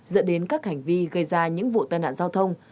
dẫn đến các hành vi gây ra những vụ tai nạn giao thông